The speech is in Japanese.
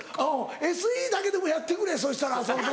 ＳＥだけでもやってくれそしたらその時の。